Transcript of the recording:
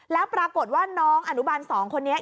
แล้วปรากฏว่าน้องอนุบาล๒คนนี้